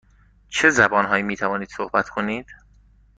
چه زبان هایی می توانید صحبت کنید؟